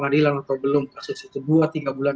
keadilan atau belum kasus itu dua tiga bulan